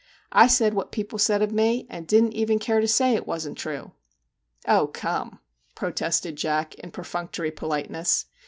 I said what people said of me, and didn't even care to say it wasn't true !'' Oh, come !' protested Jack, in perfunctory politeness.